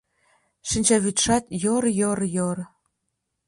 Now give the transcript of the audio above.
Шинчавӱдшат йор-йор-йор